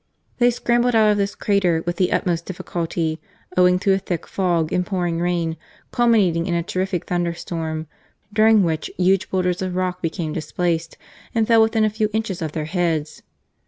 They scrambled out of this crater with the utmost difficulty, owing to a thick fog and pouring rain, culminating in a terrific thunderstorm, during which huge boulders of rock became displaced, and fell within a few inches of their heads.